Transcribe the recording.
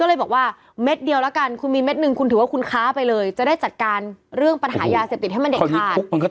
ก็เลยบอกว่าเม็ดเดียวแล้วกันคุณมีเม็ดหนึ่งคุณถือว่าคุณค้าไปเลยจะได้จัดการเรื่องปัญหายาเสพติดให้มันเด็ดขาด